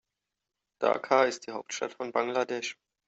Dhaka ist die Hauptstadt von Bangladesch.